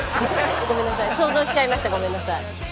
ごめんなさい想像しちゃいましたごめんなさい。